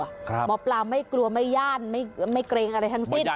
หมอปลาไม่กลัวไม่ย่านไม่เกรงอะไรทั้งสิ้น